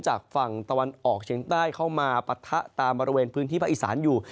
ฝั่งตะวันออกเชียงใต้เข้ามาปะทะตามบริเวณพื้นที่ภาคอีสานอยู่